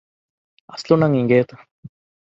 އަސްލު ނަން އެނގޭތަ؟